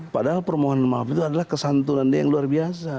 padahal permohonan maaf itu adalah kesantunan dia yang luar biasa